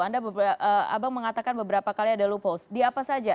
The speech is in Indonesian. anda abang mengatakan beberapa kali ada low host di apa saja